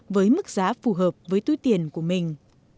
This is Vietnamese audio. với mức giá phù hợp với túi tiền của mình